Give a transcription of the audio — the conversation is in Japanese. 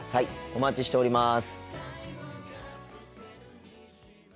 お待ちしております。